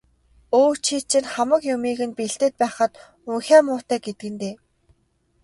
Өө, чи чинь хамаг юмыг нь бэлдээд байхад унхиа муутай гэдэг нь дээ.